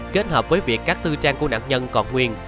kết hợp với việc các tư trang của nạn nhân còn nguyên